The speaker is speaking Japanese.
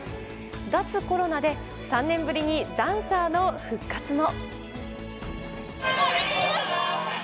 脱コロナで３年ぶりにダンサーの復活も。